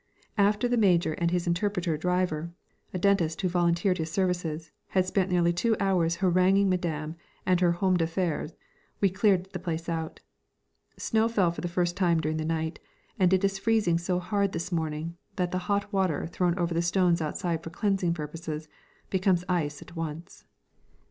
After the Major and his interpreter driver (a dentist who volunteered his services) had spent nearly two hours haranguing Madame and her homme d'affaires, we cleared the place out. Snow fell for the first time during the night, and it is freezing so hard this morning that the hot water thrown over the stones outside for cleansing purposes becomes ice at once.